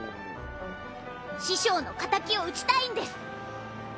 師匠の敵を討ちたいんです！